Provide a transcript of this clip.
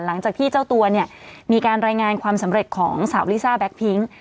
หลังจากที่เจ้าตัวเนี่ยมีการรายงานความสำเร็จของสาวลิซ่าแก๊กพิ้ง